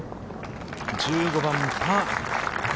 １５番、パー。